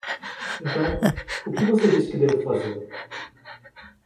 Então, o que você diz que devo fazer?